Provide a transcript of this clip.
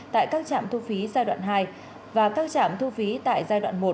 tại các chạm thu phí giai đoạn hai và các chạm thu phí tại giai đoạn một